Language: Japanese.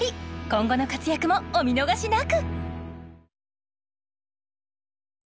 今後の活躍もお見逃しなく！